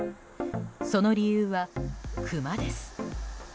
その理由はクマです。